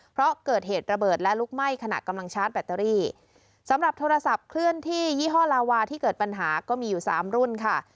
เพราะเกิดเหตุระเบิดและลุกไหม้ขณะกำลังชาร์จแบตเตอรี่สำหรับโทรศัพท์เคลื่อนที่ยี่ห้อลาวาที่เกิดปัญหาก็มีอยู่สามรุ่นค่ะ